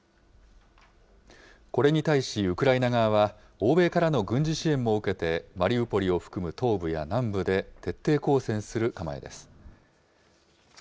これに対し、ウクライナ側は、欧米からの軍事支援も受けてマリウポリを含む東部や南部で徹底抗戦する構えです。